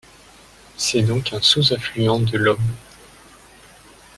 C'est donc un sous-affluent de l'Ob.